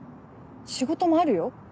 仕事もあるよ。